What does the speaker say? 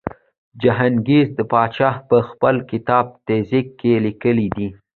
جهانګیر پادشاه په خپل کتاب تزک کې لیکلي دي.